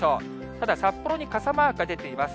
ただ札幌に傘マークが出ています。